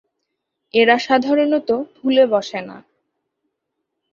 এরা সাধারণত ফুলে বসে না।